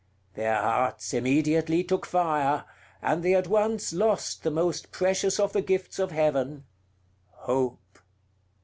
Their hearts immediately took fire, and they at once lost the most precious of the gifts of Heaven Hope.